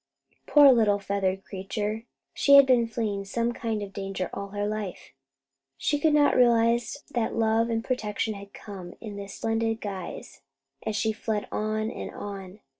Poor little feathered creature! She had been fleeing some kind of danger all her life. She could not realize that love and protection had come in this splendid guise, and she fled on and on.